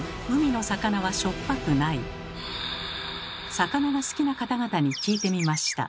魚が好きな方々に聞いてみました。